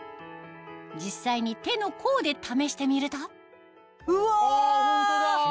実際に手の甲で試してみるとうわ！